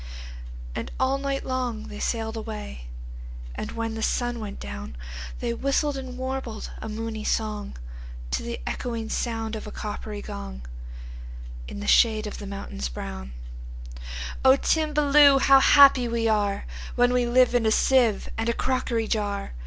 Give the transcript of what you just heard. And all night long they sail'd away; And, when the sun went down, They whistled and warbled a moony songTo the echoing sound of a coppery gong, In the shade of the mountains brown,"O Timballoo! how happy we areWhen we live in a sieve and a crockery jar!